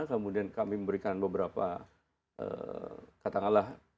kemudian kami memberikan beberapa katakanlah